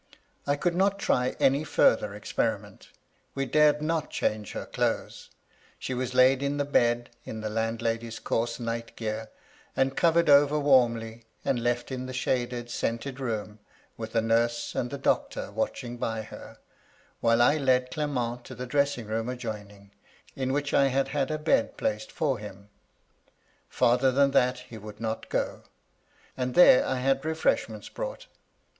I could not try any farther experiment ; we dared not change her clothes ; she was laid in the bed in the landlady's coarse night gear, and covered over warmly, and left in the shaded, scented room, with a nurse and the doctor watching by her, while I led Clement to the dressing room adjoining, in which I had had a bed placed for him. Farther than that he would not go ; and there I had refreshments brought.